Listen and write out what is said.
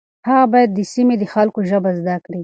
هغه باید د سیمې د خلکو ژبه زده کړي.